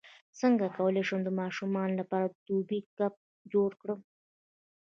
څنګه کولی شم د ماشومانو لپاره د دوبي کمپ جوړ کړم